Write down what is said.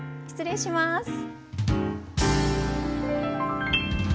失礼します。